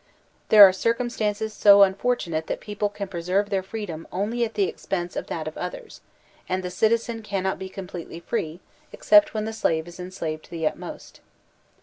There are circumstances so unfortunate that people can preserve their freedom only at the expense of that of others, and the citizen cannot be completely free except when the slave is en slaved to the utmost.